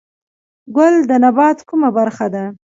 ګل د نبات کومه برخه ده؟